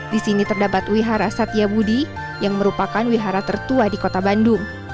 di sini terdapat wihara satya budi yang merupakan wihara tertua di kota bandung